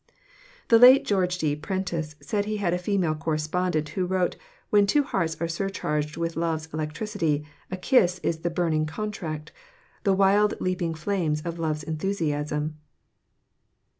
The late George D. Prentice said he had a female correspondent who wrote "when two hearts are surcharged with love's electricity, a kiss is the burning contract, the wild leaping flames of love's enthusiasm."